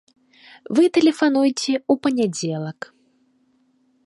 Вы тэлефануйце ў панядзелак.